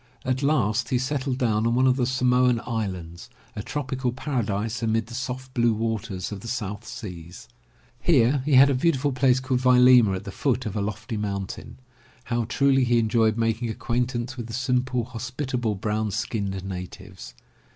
At last he 163 MY BOOK HOUSE settled down on one of the Samoan Islands, a tropical paradise amid the soft blue waters of the South Seas. Here he had a beau tiful place called Vailima at the foot of a lofty mountain. How truly he enjoyed making acquaintance with the simple, hospitable, brown skinned natives.